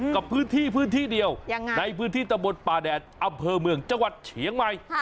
กับพื้นที่พื้นที่เดียวในพื้นที่ตะบนป่าแดดอำเภอเมืองจังหวัดเฉียงใหม่